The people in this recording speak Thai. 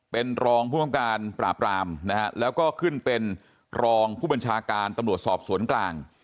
เป็นรองผู้บังการปราบรามนะฮะแล้วก็ขึ้นเป็นรองผู้บัญชาการตำรวจสอบสวนกลาง